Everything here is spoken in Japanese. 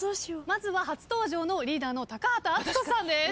まずは初登場のリーダーの高畑淳子さんです。